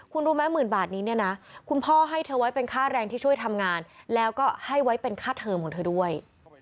คุณรู้ไหมหมื่นบาทนี้เนี่ยนะคุณพ่อให้เธอไว้เป็นค่าแรงที่ช่วยทำงานแล้วก็ให้ไว้เป็นค่าเทอมของเธอด้วย